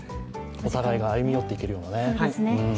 お互いが歩み寄ってくるようなね。